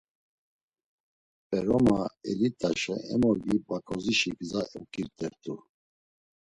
P̌eroma elit̆aşa emogi Baǩozişi gza oǩirtert̆u.